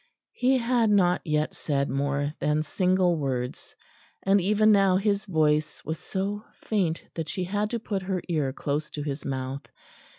He had not yet said more than single words, and even now his voice was so faint that she had to put her ear close to his mouth.